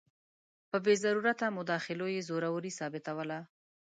په بې ضرورته مداخلو یې زوروري ثابتوله.